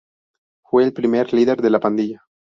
Fue el primer líder de la pandilla.